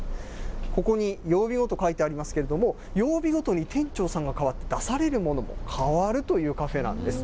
ここに曜日ごと書いてありますけれども、曜日ごとに店長さんが変わった、出されるものも変わるというカフェなんです。